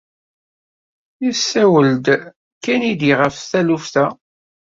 Yessawel-d Kennedy ɣef taluft-a.